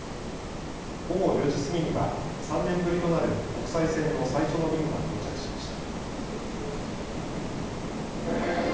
午後４時過ぎには３年ぶりとなる国際線の最初の便が到着しました。